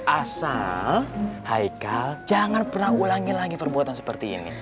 asal heikal jangan pernah ulangin lagi perbuatan seperti ini